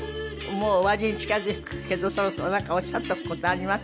もう終わりに近付くけどそろそろなんかおっしゃっとく事あります？